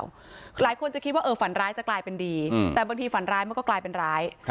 หลายคนจะคิดว่าเออฝันร้ายจะกลายเป็นดีแต่บางทีฝันร้ายมันก็กลายเป็นร้าย